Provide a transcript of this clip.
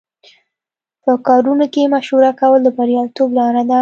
په کارونو کې مشوره کول د بریالیتوب لاره ده.